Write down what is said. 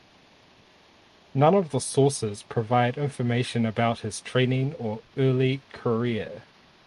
None of the sources provide information about his training or early career.